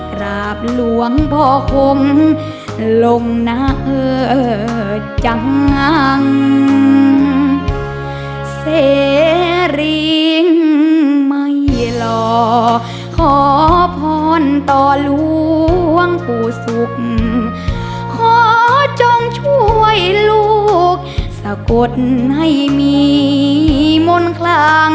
กราบหลวงพ่อคงลงนาเอิดจังงังเสรีไม่หล่อขอพรต่อหลวงปู่ศุกร์ขอจงช่วยลูกสะกดให้มีมนต์คลัง